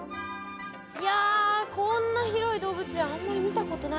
いやこんな広い動物園あんまり見たことないですね。